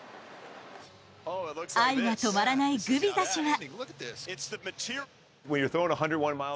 愛が止まらないグビザ氏は。